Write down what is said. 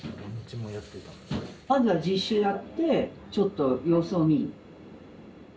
まずは実習やってちょっと様子を見る？